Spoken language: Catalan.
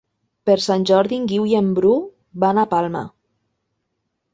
Per Sant Jordi en Guiu i en Bru van a Palma.